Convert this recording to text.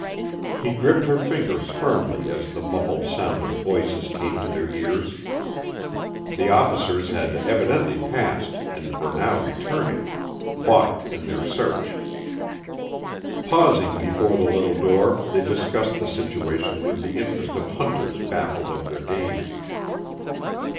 He gripped her fingers firmly as the muffled sound of voices came to their ears. The officers had evidently passed and were now returning, balked in their search. Pausing before the little door, they discussed the situation with the interest of hunters baffled of their game.